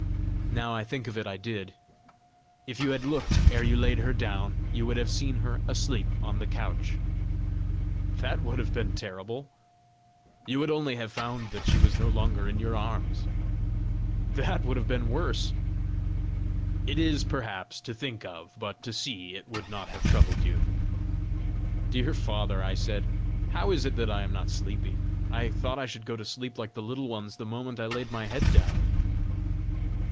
"Now I think of it, I did." "If you had looked ere you laid her down, you would have seen her asleep on the couch." "That would have been terrible!" "You would only have found that she was no longer in your arms." "That would have been worse!" "It is, perhaps, to think of; but to see it would not have troubled you." "Dear father," I said, "how is it that I am not sleepy? I thought I should go to sleep like the Little Ones the moment I laid my head down!"